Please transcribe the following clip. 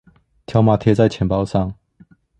條碼貼在錢包上